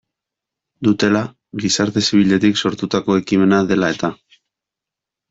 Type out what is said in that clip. Dutela, gizarte zibiletik sortutako ekimena dela eta.